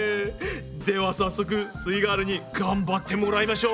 では早速すイガールに頑張ってもらいましょう。